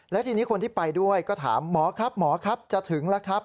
แล้วทีนี้คนที่ไปด้วยก็ถามหมอครับหมอครับจะถึงแล้วครับ